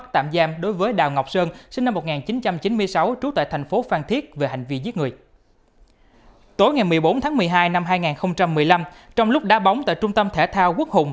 tối ngày một mươi bốn tháng một mươi hai năm hai nghìn một mươi năm trong lúc đá bóng tại trung tâm thể thao quốc hùng